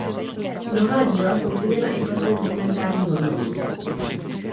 Mnohá díla jsou ceněna i pro svou dokumentární hodnotu.